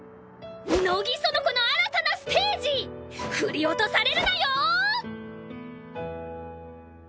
乃木園子の新たなステージ振り落とされるなよ！